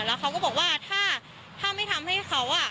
แล้วเขาก็บอกว่าถ้าไม่ทำให้เขา